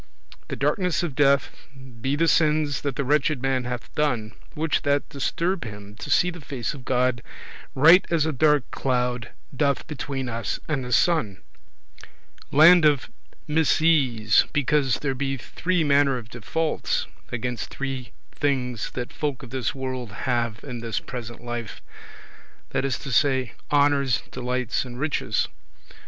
The darkness of death, be the sins that the wretched man hath done, which that disturb [prevent] him to see the face of God, right as a dark cloud doth between us and the sun. Land of misease, because there be three manner of defaults against three things that folk of this world have in this present life; that is to say, honours, delights, and riches.